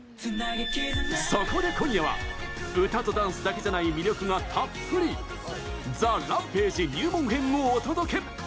そこで今夜は歌とダンスだけじゃない魅力がたっぷりＴＨＥＲＡＭＰＡＧＥ入門編をお届け。